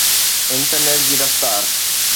internet جي رفتار